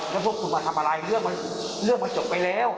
แล้วพวกคุณมาทำอะไรเรื่องมันจบไปแล้ว